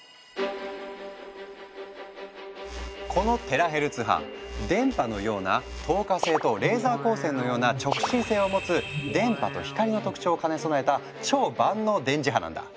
このテラヘルツ波電波のような「透過性」とレーザー光線のような「直進性」を持つ電波と光の特徴を兼ね備えた超万能電磁波なんだ。